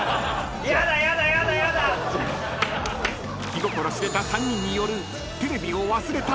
［気心知れた３人による］